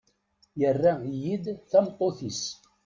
Yerra-iyi d tameṭṭut-is.